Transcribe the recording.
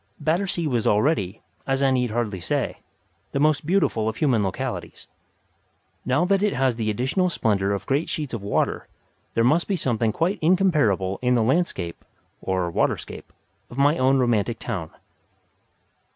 Battersea was already, as I need hardly say, the most beautiful of human localities. Now that it has the additional splendour of great sheets of water, there must be something quite incomparable in the landscape (or waterscape) of my own romantic town.